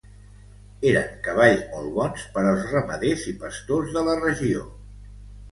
Eren cavalls molt bons per als ramaders i pastors de la regió.